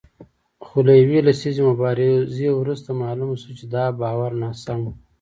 خو له یوې لسیزې مبارزې وروسته معلومه شوه چې دا باور ناسم و